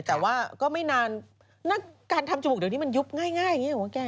แต่ว่าก็ไม่นานการทำจมูกเดี๋ยวนี้มันยุบง่ายอย่างนี้หรอแก